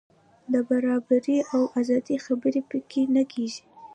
د برابرۍ او ازادۍ خبرې په کې نه کېږي.